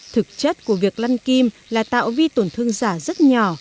thực chất của việc lăn kim là tạo vi tổn thương giả rất nhỏ